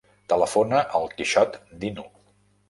Telefona al Quixot Dinu.